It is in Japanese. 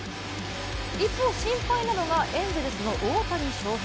一方、心配なのがエンゼルスの大谷翔平。